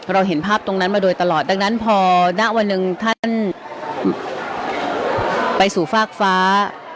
เห็นภาพตรงนั้นมาโดยตลอดดังนั้นพอณวันหนึ่งท่านไปสู่ฟากฟ้า